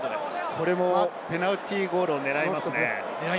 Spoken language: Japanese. これもペナルティーゴールを狙いますね。